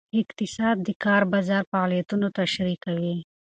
اقتصاد د کار بازار فعالیتونه تشریح کوي.